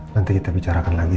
nanti kita bicarakan lagi